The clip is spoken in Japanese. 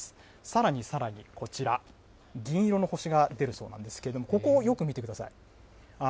さらにさらにこちら、銀色の星が出るそうなんですけれども、ここをよく見てください。